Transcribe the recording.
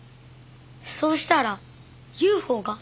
そうしたらＵＦＯが。